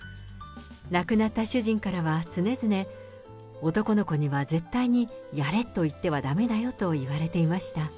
亡くなった主人からは常々、男の子には絶対に、やれと言ってはだめだよと言われていました。